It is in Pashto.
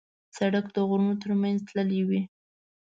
سړک د غرونو تر منځ تللی وي.